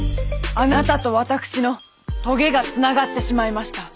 あなたと私の棘がつながってしまいました。